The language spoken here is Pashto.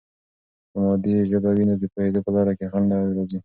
که مادي ژبه وي، نو د پوهیدو په لاره کې خنډ نه راځي.